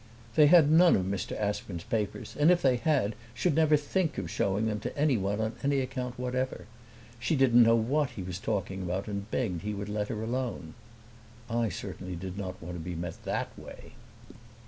They had none of Mr. Aspern's papers, and if they had should never think of showing them to anyone on any account whatever. She didn't know what he was talking about and begged he would let her alone." I certainly did not want to be met that way.